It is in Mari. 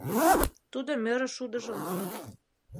Тудо мӧрӧ шудыжым